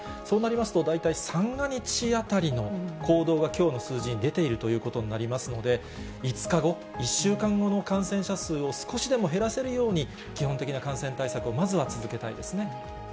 そうなりますと大体三が日あたりの行動がきょうの数字に出ているということになりますので、５日後、１週間後の感染者数を少しでも減らせるように、基本的な感染対策をまずは続けたいですね。